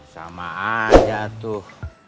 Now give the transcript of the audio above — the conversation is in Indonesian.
sama aja tuh